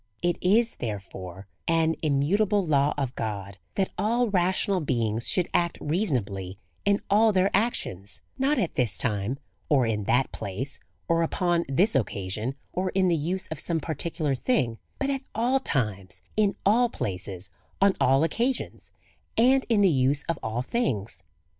It iSj therefore^ an immutable law of God^ that all rational beings should act reasonably in all their ac tions ; not at this time^ or in that place^, or upon this occasion, or in the use of some particular thing, but at all times, in ail places, on all occasions, and in the use of all things.